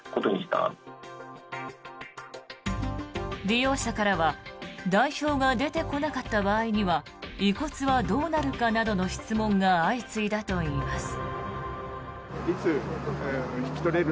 利用者からは代表が出てこなかった場合には遺骨はどうなるかなどの質問が相次いだといいます。